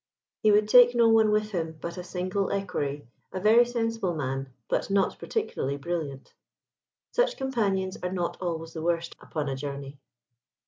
He would take no one with him but a single equerry, a very sensible man, but not particularly brilliant. Such companions are not always the worst upon a journey.